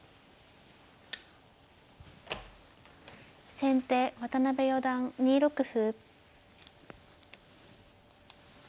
先手渡辺四段２六歩。